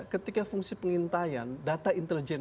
ketika fungsi pengintaian data intelijen